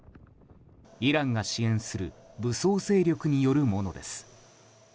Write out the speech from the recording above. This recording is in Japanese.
イランが支援する武装勢力によるものです。